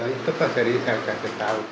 itu pasal risa yang kasih tahu